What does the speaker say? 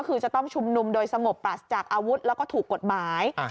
คือจะต้องชุมนุมโดยสงบปรัสจากอาวุธแล้วก็ถูกกฎหมาย